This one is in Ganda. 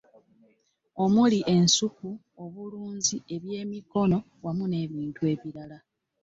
Omuli; ensuku, obulunzi, eb'yemikono wamu n'ebintu ebirala.